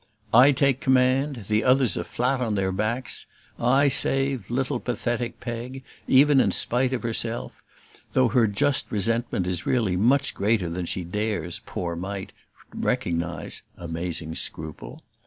"I take command the others are flat on their backs. I save little pathetic Peg, even in spite of herself; though her just resentment is really much greater than she dares, poor mite, recognize (amazing scruple!).